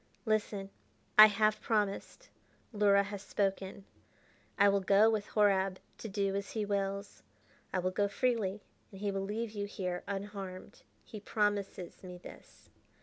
"Listen: I have promised; Luhra has spoken: I will go with Horab to do as he wills. I will go freely, and he will leave you here unharmed. He promises me this.